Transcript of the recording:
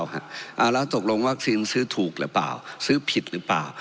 แล้วตกลงวัคซีนซื้อถูกหรือเปล่าซื้อผิดหรือเปล่า